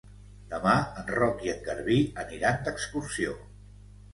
Demà en Roc i en Garbí aniran d'excursió.